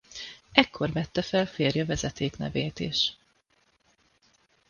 Ekkor vette fel férje vezetéknevét is.